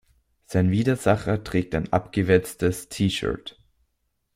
Sein Widersacher trägt ein abgewetztes T-shirt.